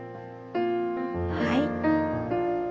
はい。